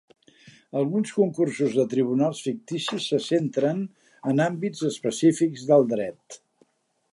Alguns concursos de tribunals ficticis se centren en àmbits específics del dret.